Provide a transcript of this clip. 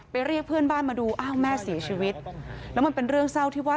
เรียกเพื่อนบ้านมาดูอ้าวแม่เสียชีวิตแล้วมันเป็นเรื่องเศร้าที่ว่า